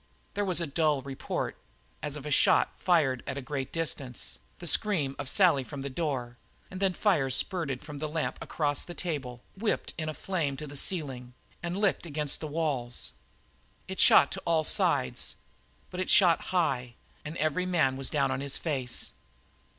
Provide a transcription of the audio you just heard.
There was a dull report, as of a shot fired at a great distance, the scream of Sally from the door, and then liquid fire spurted from the lamp across the table, whipped in a flare to the ceiling, and licked against the walls. It shot to all sides but it shot high, and every man was down on his face.